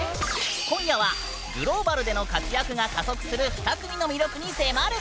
今夜はグローバルでの活躍が加速する２組の魅力に迫る！